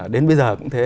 đến bây giờ cũng thế